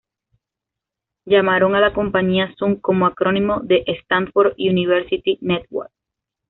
Llamaron a la compañía Sun como acrónimo de "Stanford University Network.